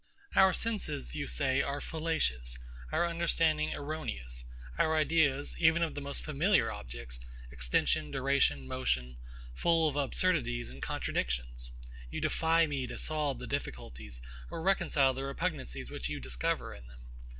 Our senses, you say, are fallacious; our understanding erroneous; our ideas, even of the most familiar objects, extension, duration, motion, full of absurdities and contradictions. You defy me to solve the difficulties, or reconcile the repugnancies which you discover in them.